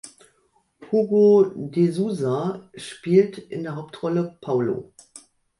Hugo de Sousa spielt in der Hauptrolle Paulo.